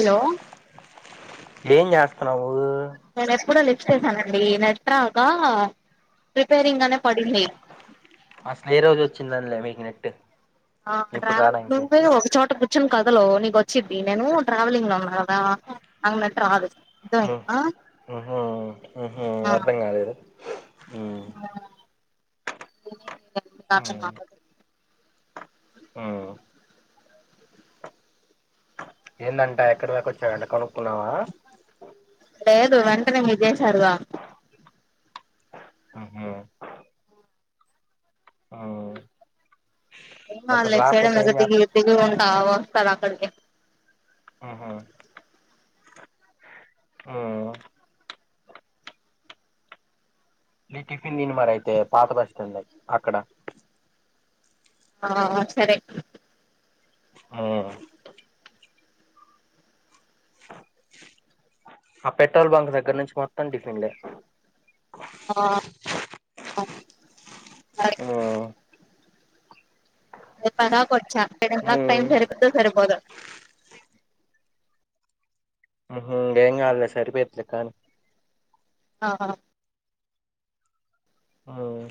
Hello ఏం చేస్తన్నావు నేను ఎప్పుడో లిఫ్ట్ చేసానండి నెట్రాక ప్రిపేరింగ్ అనే పడింది అసలే ఏ రోజు వచ్చిందంలే మీకి నెట్ ఆ ఇప్పుడు డ్రావె రాడానికి నువ్వే ఒక చోట కూర్చుని కాద్ అందులో నీకు వచ్చిది నేను ట్రావెలింగ్ లో ఉన్నా కదా నాకు నెట్ రాదు ఉహు అర్థమైందా ఉహు ఉహు అర్థం కాలేదు ఉమ్ కాక మా ఆ ఏందంట ఎక్కడ దాకా వచ్చాడంట కనుక్కున్నావా లేదు వెంటనే మీర్ చేసారుగా ఉహు ఆ వస్తాడ్లే ఇటు సైడ్ దిగి దిగి ఉంటా వస్తాడు అక్కడికే అహ ఆ మీ టిఫిన్ దిని మరి అయితే పాత బస్ స్టాండ్ అక్కడ ఆ సరే ఆ ఆ పెట్రోల్ బంక్ దగ్గర నుంచి మొత్తం డిఫిన్లే ఆ ఆ ఉమ్ పన వచ్చా కడ ఉమ్ టైమ్ సరిపోదు సరిపోదో ఉ ఏం కాదులే సరిపోయతులే కానీ ఆహా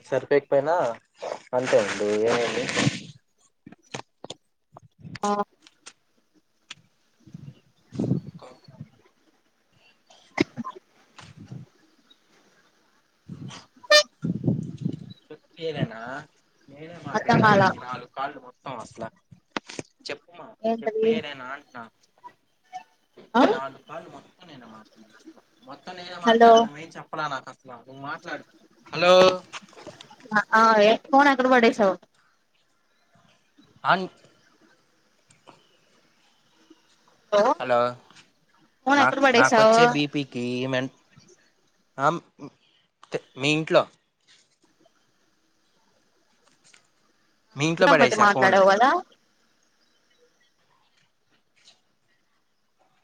సరిపోకపోయినా అంతే అండి ఏమడి ఆ క మీరేనా నేనే అర్థం మాట్లాడా కాలా ఈ నాలుగు కాల్ లు మొత్తం వస్తానాయ్ చెప్పుమా చెప్పు ఏంటది ఇడేనా అంటున్నా ఈ ఆ నాలుగు కాల్ లు మొత్తం నేను మాట్లా మొత్తం నేనే హలో మాట్లాడాను మేం చెప్పాల నాకు మాట్లాడూ హలో ఆ ఏ ఫోన్ ఎక్కడ పడేసావ్ అన్ హలో ఫోన్ ఎక్కడ నాకు పడేసావు నాకుచ్చే బీపీకి ఏమంటే ఆ మీ ఇంట్లో మీ ఇంట్లో గమ్మతి పడేసా ఫోన్ మాట్లాడవ్ కదా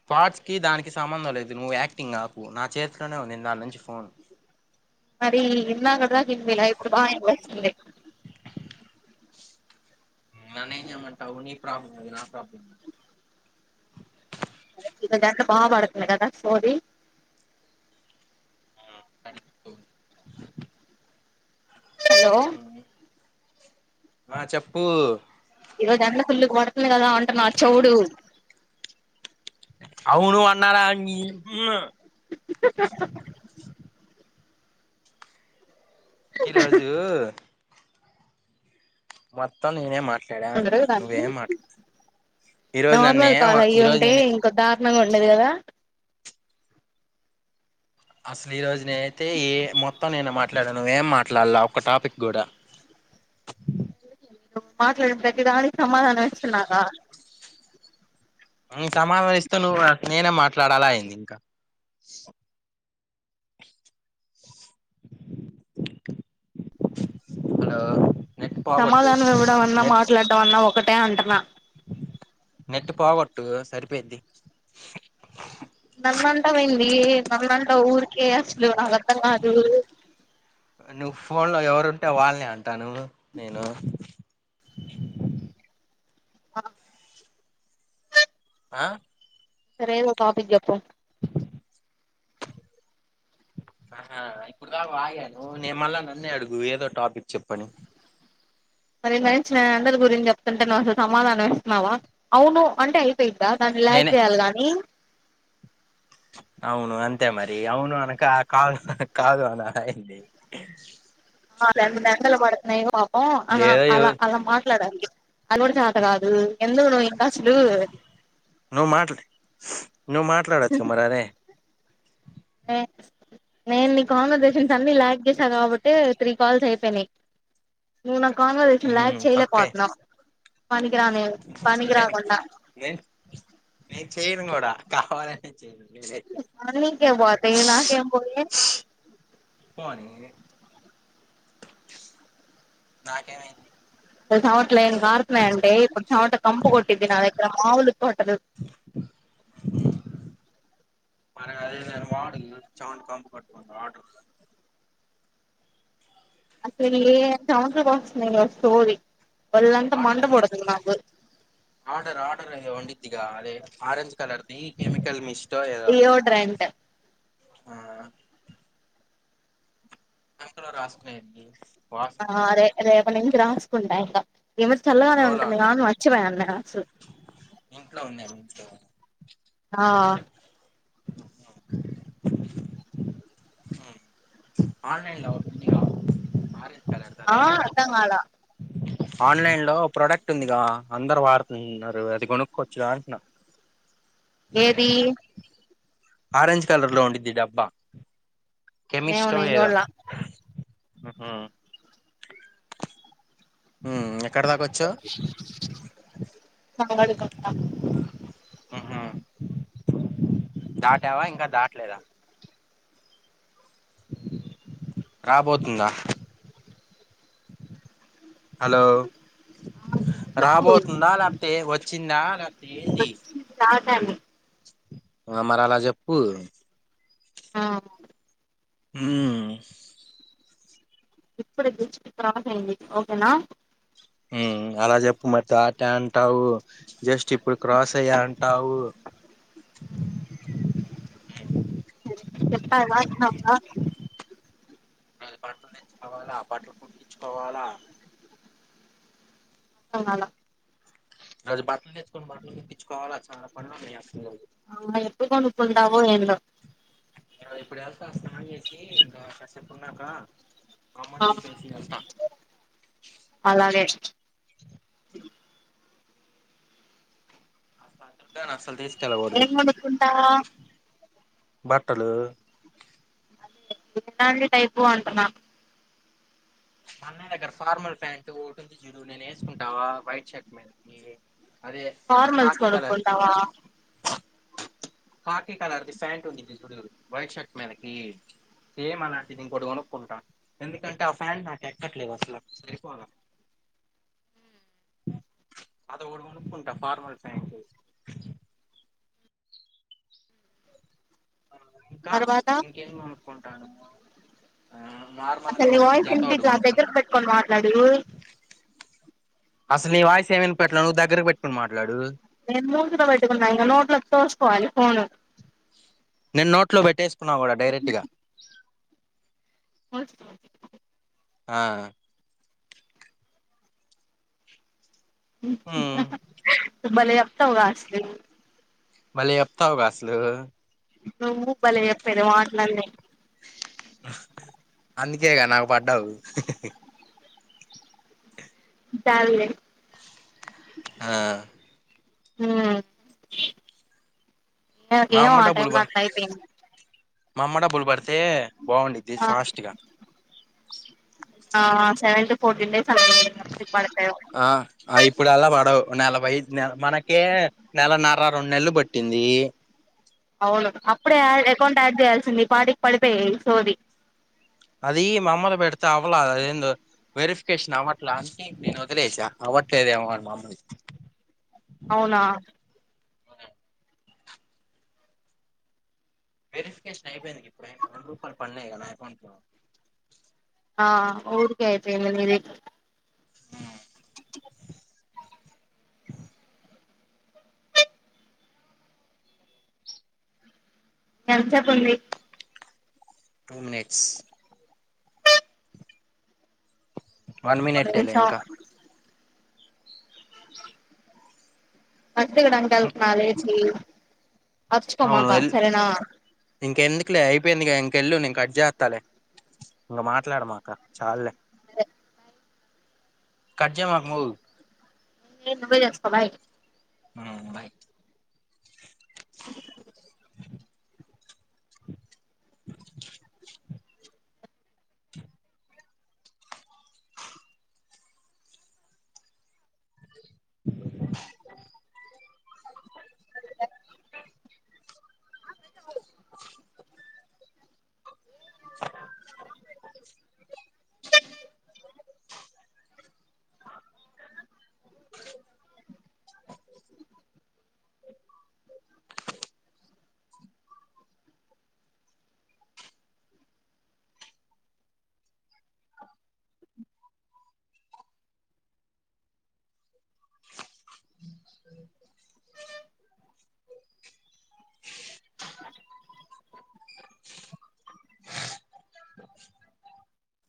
ఫార్ట్స్ కి దానికి సంబంధం లేదు నువ్వు యాక్టింగ్ నాకు నా చేతిలోనే ఉంది దాని నుంచి ఫోన్ మరి ఇందాకటిదాకా ఎనిపియ్యల్ ఇప్పుడు బాగా వినపడుతుంది నన్నేం చేయమంటావు నీ ప్రాబ్లం అది నా ప్రాబ్లం కాదు ఇంకో దానిట్లో బా పడుతుంది కదా సోది ఆ కంటూ హలో ఆ చెప్పు ఈరోజు ఎండ ఫుల్ పడుతుంది కదా అంటున్నాడు చెవుడు అవును అన్నారా నీ ఈరోజు మొత్తం నిన్నే మాట్ల చెడ అందరు కానీ నువ్వేం మాట్లా ఈరోజు నన్నే ఈరోజు నేనే గా ఉండేది కదా అసలు ఈ రోజు నేనైతే ఏ మొత్తం నేను మాట్లాడాను నువ్వేం మాట్లాడలా ఒక టాపిక్ కూడా నువ్వు మాట్లాడిన ప్రతి దానికి సమాధానం ఇస్తున్నగా సమావేశస్త నువ్వు నేనే మాట్లాడాలా అయింది ఇంకా హలో నెట్ పోగొట్టు సమాధానం ఇవ్వడం అన్నా నెట్ మాట్లాడడం అన్నా ఒకటే అంటనా నెట్ పోగొట్టు సరిపోయిది నన్ను అంటావేంది నన్ను అంటా ఊరికే అస్సలు నాకు అర్థం కాదు ఆ ఫోన్ లో ఎవరు ఉంటే వాళ్ళని అంటాను నేను ఆహ ఆ సరే ఎదో ఒక టాపిక్ చెప్పు ఆహా ఇప్పుడు దాకా వాగాను నే మళ్ళ నన్నే అడుగు ఏదో టాపిక్ చెప్పని మరి ఇందాకనుంచి నే అందరి గురించి చెప్తుంటే నువ్వు అసలు సమాధానం ఇస్తన్నావా అవును అంటే ద్దా దాన్ని లాగ్ నేనే చేయాలి కాని అవును అంతే మరి అవును అనక కాదు కాదు అన ఏంది ఆ రెండు నెలలు పడుతున్నాయి పాపం అ ఏదో అలా అలా మాట్లాడాలి అది కూడా చాత కాదు ఎందుకు నువ్ ఇంకాసలు నువ్ మాట్లాడొచ్చు క మరారే నేను నీ కాన్వర్సేషన్స్ అన్ని ల్యాగ్ చేసిన కాబట్టే త్రీ కాల్స్ అయిపోయినాయ్ ఇంగ నా కాన్వర్జేషన్ లాగ్ చేయలే పోతున్నావ్ నేను చెయను నేను నేను చేయను కూడా కావాలని నీకే పోతాయి నాకేం పోయి పోనీ నాకేమైద్ది చమట్లు ఏం కారుతున్నాయి అంటే ఇప్పుడు చవట కంపు కొట్టిద్ది నా దగ్గర మాములు కొట్టదు మన అదే మే వాడు చమట కంపు కొట్టకుండా వాడు అసలు ఏ చమట్లు బోస్తున్నాయ్ సోది ఆర్డర్ వండిత్ ఆర్డర్ ఆర్డర్ వండి దిగా అదే ఆరెంజ్ కలర్ది కెమికల్ మిస్ డియోడ్రెంట్ ఆ సంకలో రాసుకునేడిది ఆ అదే రేపు నుంచి రాసుకుంట ఇంక ఈ మధ్య చల్లగానే రోల్ ఉంటుంది ఆన్ గాను మర్చిపోయన్న అసలు ఇంట్లో ఉందే మీ ఇంట్లో ఆ అ ఆన్లైన్ లో ఉంది గా ఆరెంజ్ ఆ అద్దంగాల ఆన్లైన్లో ప్రోడక్ట్ ఉందిగా అందరు వాడుతున్నారు అది కొనుక్కోవచ్చుగా అంటున్నా ఏది ఆరెంజ్ కలర్ లో ఉండిద్ది డబ్బా ఏమో కెమిస్టో నేను ఏదో చూడలా ఉహు ఉ ఎ వాడు ప ఉహు దాటావా ఇంకా దాటలేదా రాబోతుందా హలో చెప్పు రాబోతుందా లేకపోతే వచ్చిందా లేకపోతే ఏంది స్తాంది అ మరాల జెప్పు ఆ ఊ ఇప్పుడే దిచిట్ అయింది ఓకేనా. ఉమ్ అలా చెప్పు మరి టాటా అంటావు జస్ట్ ఇప్పుడు క్రాస్ అయ్యా అంటావు. ఉమ్. ఆహ్. బట్టలు తెచ్చుకోవాల ఆ బట్టలు కుట్టించుకోవాలా. కోవాలా. అది బట్టలు తెచ్చుకొని బట్టలు కుట్టించుకోవాల చాలా పనులు ఉన్నాయి అసలు ఈరోజు. అవునే ఎప్పుడు కొనుకుంటావో ఏందో. ఆహ్ ఇప్పుడు వెళ్తా స్నానం చేసి ఇంకా కాసేప్ ఉన్నాక. ఆహ్ అలాగే. ఆహ్ [unintelligible] అసలు తీస్ ఏం కొనుకుంటావ్. బట్టలు. అదే ఎలాంటి టైపు అంటున్నా. అన్నయ్యా దగ్గర ఫార్మల్ ప్యాంటు ఒకటి ఉంది చూడు నేను వేసుకుంటా వైట్ షర్ట్ మీదకి. ఫార్మల్స్ కొనుక్కుంటావా. ఖాకిీ కలర్ది ప్యాంట్ ఉంది చూడు వైట్ షర్ట్ మీదకి. సేమ్ అలాంటిది ఇంకోటి కొనుక్కుంటా ఎందుకంటే ఆ ప్యాంట్ నాకు ఎక్కట్లేదు అసలు సరిపోదు. అదొకటి కొనుక్కుంటా ఫార్మల్ పాయింట్. ఇంకా తర్వాత ఇంకేమి కొనుక్కుంటాను ఆహ్. అసలు నీ వాయిస్ వినిపిట్లే ఆహ్ దగ్గరికి పెట్టుకొని మాట్లాడు. అసలు నీ వాయిస్ ఏం వినిపియట్లే నవ్వు దగ్గరకి పెట్టుకుని మాట్లాడు. నేను మూతిలో పెట్టుకున్నా ఇంకా నోట్లోకి తోసుకోవాలి ఫోను. నేను నోట్లో పెట్టేసుకున్నా కూడా డైరెక్ట్గా. నువ్వు ఆహ్. ఉమ్. సు భలే చెప్తావుగా అసలు. భలే చెప్తావుగా అసలు. నువ్వు భలే చెప్పేది మాటలన్నీ. అందుకేగా నాకు పడ్డావు. చాలులే. ఆహ్. ఉమ్ మా నాకేం అమ్మ ఆ డబ్బులు టైంలో ప అట్లా అయిపోయింది. మా అమ్మ డబ్బులు పడితే బాగుండిద్ది ఆ ఫాస్ట్గా. ఆహ్ సెవెత్ పోర్టిన్ డేస్. అలా ఎప్పటికి పడతాయో ఆహ్ ఆ ఇప్పుడు అలా పడవు. నలభై ఐదు నెల్ మనకే నెలన్నర రెండు నెలలు పట్టింది. అవును అప్పుడే యడ్ అకౌంట్ యాడ్ చేయాల్సింది ఈ పాటికి పడిపోయేది ఈ సోది. అది మమ్ములుగా పెడితే అవలే అది ఎందో. వెరిఫికేషన్ అవ్వట్లే అంటే నేను వదిలేసా అవ్వట్లేదేమోని మా అమ్మది. అవునా. వెరిఫికేషన్ అయిపోయింది గిప్పుడు అయినా రెండు రూపాయలు పడినాయి కదా అకౌంట్లో. ఆహ్ ఊరికే అయిపోయింది నీది. ఛ్ చ్. ఎంత్ సెపుంది టూ మినిట్స్ వన్ ఒక మినిటేలే నిమిషం ఇంకా బస్ దిగడానికి అడుగుతున్నవా లేచి అవును అరుచుకోమాక ఎల్ సరేనా ఇంకెందుకులే అయిపోయిందిగా ఇంకెళ్లు నేన్ కట్ జేత్తాలే ఇంక మాట్లాడమాక చాల్లే ఎ కట్ జేయమాకు మో ఏ నువ్వే చేస్కో బాయ్ మ్ బాయ్